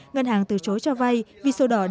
ngân hàng từ chối cho vay vì sổ đỏ